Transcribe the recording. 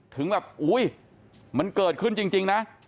ถึงแบบอุ๊ยมันเกิดขึ้นจริงนะ